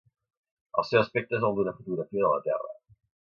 El seu aspecte és el d'una fotografia de la Terra.